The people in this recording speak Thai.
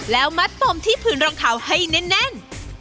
แล้วมัดปมที่ผืนรองเท้าให้แน่น